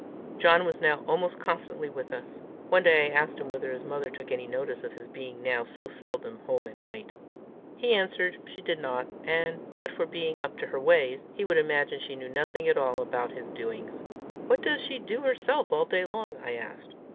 John was now almost constantly with us. One day I asked him whether his mother took any notice of his being now so seldom home at night. He answered she did not; and, but for being up to her ways, he would imagine she knew nothing at all about his doings. "What does she do herself all day long?" I asked.